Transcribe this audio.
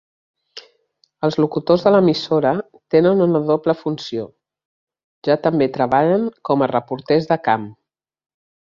Els locutors de l'emissora tenen una doble funció, ja també treballen com a reporters de camp.